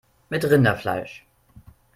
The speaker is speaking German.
Mit Rinderfleisch